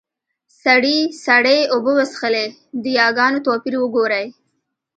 سړي سړې اوبۀ وڅښلې . د ياګانو توپير وګورئ!